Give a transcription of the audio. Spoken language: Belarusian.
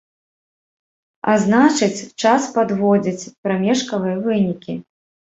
А значыць, час падводзіць прамежкавыя вынікі.